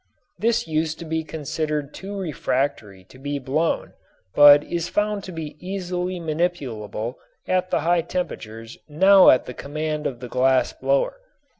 This used to be considered too refractory to be blown but is found to be easily manipulable at the high temperatures now at the command of the glass blower.